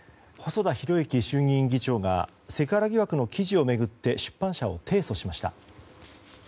細田博之衆議院議長がセクハラ疑惑の記事を巡って出版社を提訴しました。